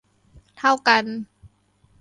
เท่ากัน